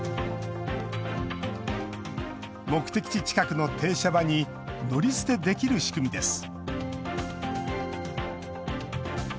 目的地近くの停車場に乗り捨てできる仕組みです。